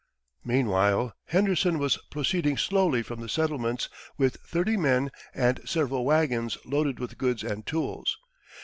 Meanwhile Henderson was proceeding slowly from the settlements with thirty men and several wagons loaded with goods and tools.